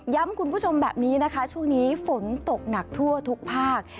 คุณผู้ชมแบบนี้นะคะช่วงนี้ฝนตกหนักทั่วทุกภาค